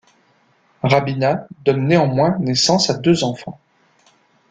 Rabina donne néanmoins naissance à deux enfants.